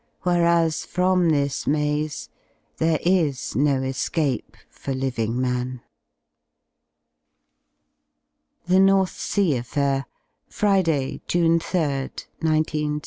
whereas from this maze there is no escape for 'V living man, "^^ THE NORTH SEA AFFAIR Friday y June 3rd, 1 9 1 6.